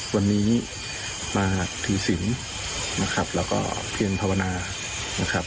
วันนี้มาถือศิลป์นะครับแล้วก็เพียงภาวนานะครับ